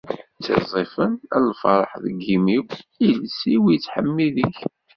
S tiẓẓifin n lferḥ deg yimi-w, iles-iw ittḥemmid-ik.